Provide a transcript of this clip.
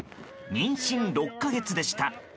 妊娠６か月でした。